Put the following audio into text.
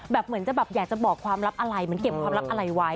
เหมือนจะแบบอยากจะบอกความลับอะไรเหมือนเก็บความลับอะไรไว้